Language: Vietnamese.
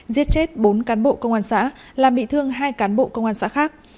giết chết bốn cán bộ công an xã làm bị thương hai cán bộ công an xã khác